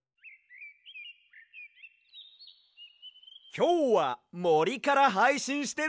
きょうはもりからはいしんしてるＹＯ！